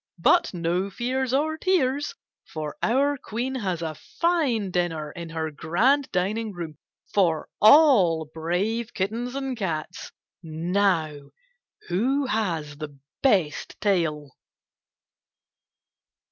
. But no fears or tears, for our Queen has a fine dinner in her grand dining room for all brave kittens and cats. Now who has the best tale